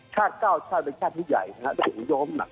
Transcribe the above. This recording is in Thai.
ชาติเก่าชาติเป็นชาติที่ใหญ่นะครับตัวผู้ยอมนะ